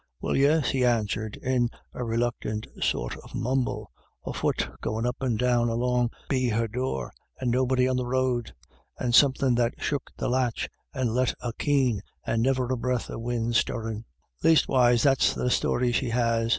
w Well, yis," he answered, in a reluctant sort of mumble, " a fut goin' up and down along be her door, and nobody on the road ; and somethin' that shook the latch and let a keen, and niver a breath of win' stirrin'. Lastewise that's the story she has.